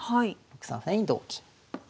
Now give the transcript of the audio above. ６三歩成に同金。